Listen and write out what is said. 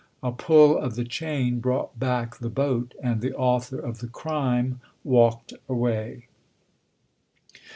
A pull of the chain brought back the boat ; and the author of the crime walked away."